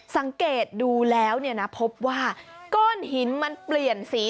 สังเกตดูแล้วเนี่ยนะพบว่าก้อนหินมันเปลี่ยนสี